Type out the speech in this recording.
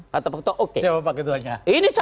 kata pak ketua oke siapa pak ketuanya